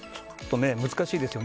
難しいですよね。